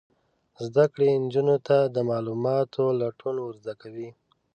زده کړه نجونو ته د معلوماتو لټون ور زده کوي.